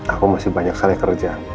aku masih banyak sekali kerja